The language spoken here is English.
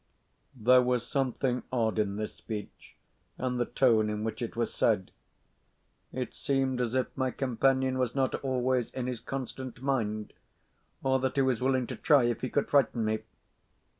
There was something odd in this speech, and the tone in which it was said. It seemed as if my companion was not always in his constant mind, or that he was willing to try if he could frighten me.